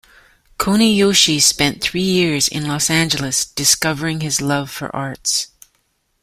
Kuniyoshi spent three years in Los Angeles, discovering his love for the arts.